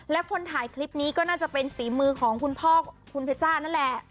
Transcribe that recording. และคนถ่ายคลิปนี้ก็น่าจะเป็นฝีมือของคุณพ่อคุณเพชจ้านั่นแหละ